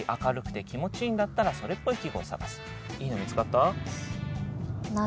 いいの見つかった？